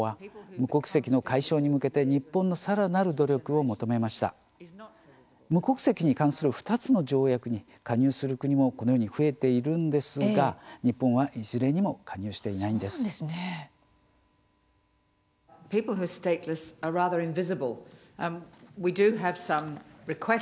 無国籍に関する２つの条約に加入する国もこのように増えているんですが日本は、いずれにも加入していないんです。